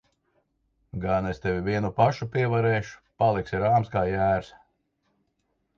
Gan es tevi vienu pašu pievarēšu! Paliksi rāms kā jērs.